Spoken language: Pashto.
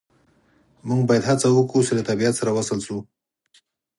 موږ باید هڅه وکړو چې له طبیعت سره وصل شو